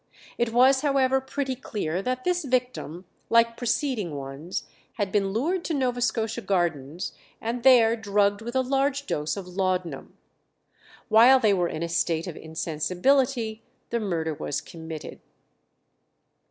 It was, however, pretty clear that this victim, like preceding ones, had been lured to Nova Scotia Gardens, and there drugged with a large dose of laudanum. While they were in a state of insensibility the murder was committed.